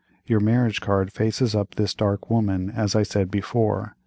Your marriage card faces up this dark woman, as I said before.